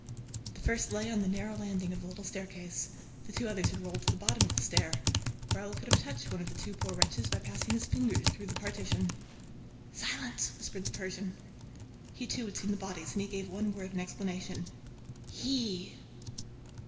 The first lay on the narrow landing of the little staircase; the two others had rolled to the bottom of the staircase. Raoul could have touched one of the two poor wretches by passing his fingers through the partition. "Silence!" whispered the Persian. He too had seen the bodies and he gave one word in explanation: "HE!"